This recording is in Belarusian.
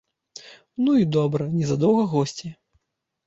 Ну й добра, незадоўга госці.